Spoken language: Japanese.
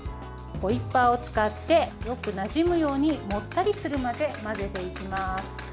ホイッパーを使ってよくなじむようにもったりするまで混ぜていきます。